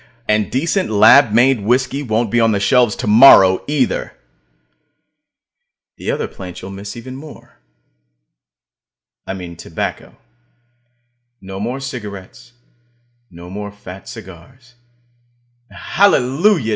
and decent lab made whiskey won't be on the shelves tomorrow, either. The other plant you'll miss even more. I mean tobacco. No more cigarettes; no more fat cigars and hallelujah!